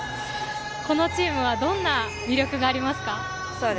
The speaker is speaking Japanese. このチームはどんな魅力がありますか？